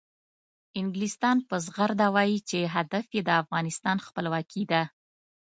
انګلستان په زغرده وایي چې هدف یې د افغانستان خپلواکي ده.